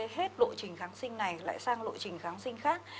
hết lộ trình kháng sinh này lại sang lộ trình kháng sinh khác